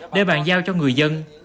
để bàn giao cho người dân